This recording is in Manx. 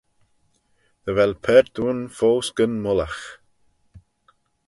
Dy vel paart ayn foast gyn mullagh.